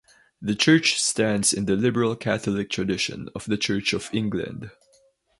The church stands in the Liberal Catholic tradition of the Church of England.